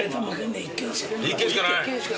１軒しかない？